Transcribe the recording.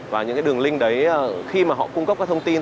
và những cái đường link đấy khi mà họ cung cấp các thông tin